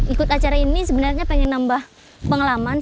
ikut acara ini sebenarnya pengen nambah pengalaman